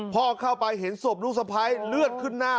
พ่อเข้าไปเห็นศพลูกสะพ้ายเลือดขึ้นหน้า